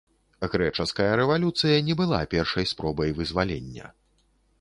Грэчаская рэвалюцыя не была першай спробай вызвалення.